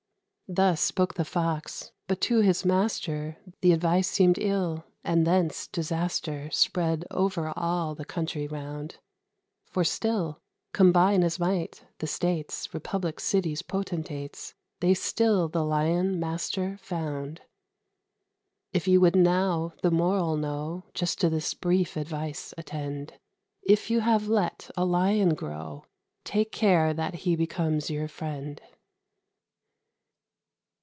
Thus spoke the Fox; but to his master Th' advice seemed ill; and thence disaster Spread over all the country round; For still, combine as might the states, Republics, cities, potentates, They still the Lion master found. If you would now the moral know, Just to this brief advice attend: If you have let a Lion grow, Take care that he becomes your friend.